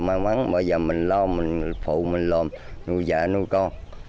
bây giờ mình lau mình phụ mình lau nuôi dạ nuôi con